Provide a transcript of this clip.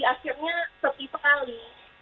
akhirnya setiap kali